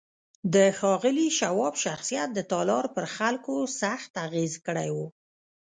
د ښاغلي شواب شخصيت د تالار پر خلکو سخت اغېز کړی و.